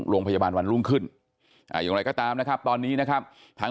โรงพยาบาลวันรุ่งขึ้นอย่างไรก็ตามนะครับตอนนี้นะครับทาง